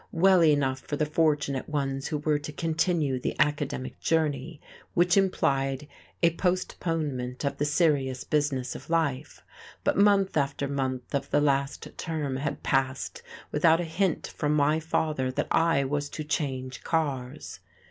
Well enough for the fortunate ones who were to continue the academic journey, which implied a postponement of the serious business of life; but month after month of the last term had passed without a hint from my father that I was to change cars.